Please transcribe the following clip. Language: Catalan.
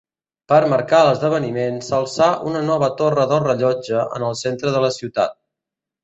Per marcar l'esdeveniment, s'alçà una nova torre del rellotge en el centre de la ciutat.